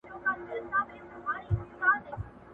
که ښه مو کړي وو شکر وکړئ.